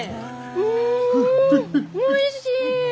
んおいしい！